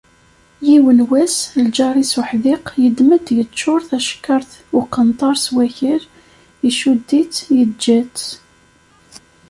Yiwen wass, lğar-is uḥdiq, yeddem-d yeččur tacekkart uqenṭar s wakal, iccud-itt yeğğa-tt.